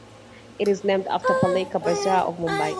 It is named after Palika Bazaar of Mumbai.